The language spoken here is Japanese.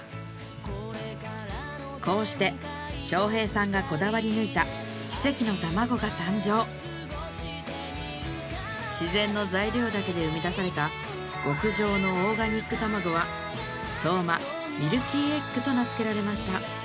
こうして将兵さんがこだわり抜いた奇跡の卵が誕生自然の材料だけで生み出された極上のオーガニック卵はと名付けられました